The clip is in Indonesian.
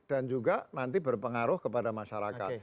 dan juga nanti berpengaruh kepada masyarakat